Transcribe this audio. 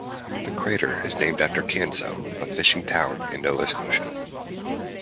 The crater is named after Canso, a fishing town in Nova Scotia.